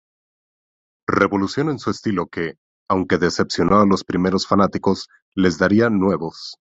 Revolución en su estilo que, aunque decepcionó a los primeros fanáticos, les daría nuevos.